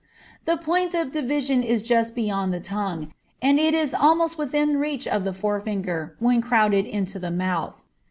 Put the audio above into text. The point of division is just beyond the tongue, and is almost within reach of the forefinger when crowded into the mouth.